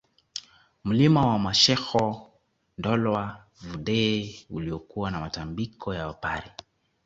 Mlima wa Masheko Ndolwa Vudee uliokuwa na Matambiko ya Wapare